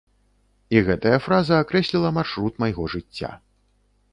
І гэтая фраза акрэсліла маршрут майго жыцця.